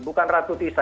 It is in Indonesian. bukan ratu tisa